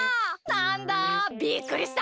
なんだびっくりした！